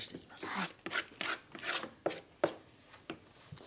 はい。